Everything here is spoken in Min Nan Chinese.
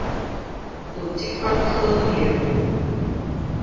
有這款可能